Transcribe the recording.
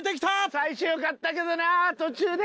最初良かったけどな途中で。